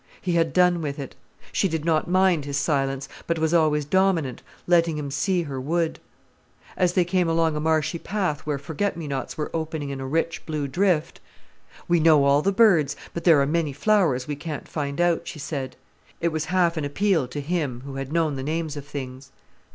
He had done with it. She did not mind his silence, but was always dominant, letting him see her wood. As they came along a marshy path where forget me nots were opening in a rich blue drift: "We know all the birds, but there are many flowers we can't find out," she said. It was half an appeal to him, who had known the names of things.